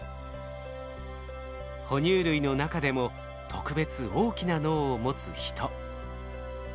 哺乳類の中でも特別大きな脳を持つヒト。